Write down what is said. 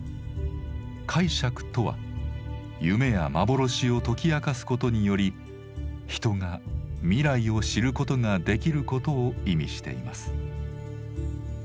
「解釈」とは夢や幻を解き明かすことにより人が未来を知ることができることを意味しています。